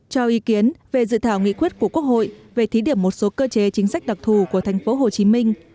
cho ý kiến về dự thảo nghị quyết của quốc hội về thí điểm một số cơ chế chính sách đặc thù của thành phố hồ chí minh